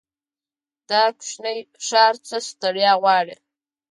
دا کوچينی ښار څه ستړيا غواړي.